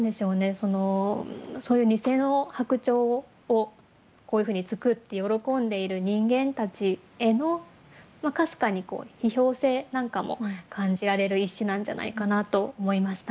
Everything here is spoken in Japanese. そのそういう偽の白鳥をこういうふうに作って喜んでいる人間たちへのかすかに批評性なんかも感じられる一首なんじゃないかなと思いました。